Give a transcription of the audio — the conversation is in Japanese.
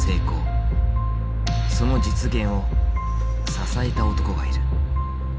その実現を支えた男がいる。